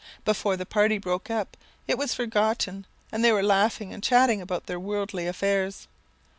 Before the party broke up it was forgotten, and they were laughing and chatting about their worldly affairs.